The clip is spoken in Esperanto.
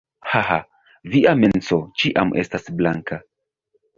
Haha. Via menso ĉiam estas blanka